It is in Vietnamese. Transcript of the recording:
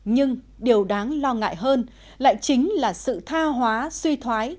nhưng điều đáng lo ngại hơn lại chính là sự tha hóa suy thoái